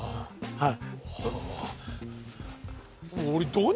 はい。